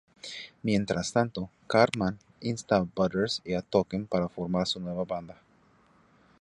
Mientras tanto, Cartman insta a Butters y a Token para formar su nueva banda.